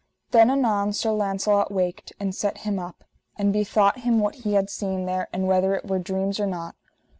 Then anon Sir Launcelot waked, and set him up, and bethought him what he had seen there, and whether it were dreams or not.